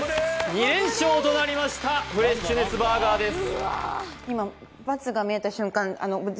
２連勝となりましたフレッシュネスバーガーです